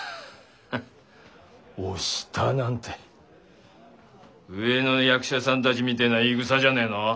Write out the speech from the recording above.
ハッ「お下」なんて上の役者さんたちみてえな言いぐさじゃねえの。